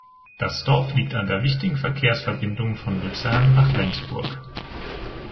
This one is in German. Das Dorf liegt an der wichtigen Verkehrsverbindung von Luzern nach Lenzburg.